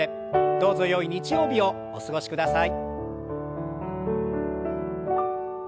どうぞよい日曜日をお過ごしください。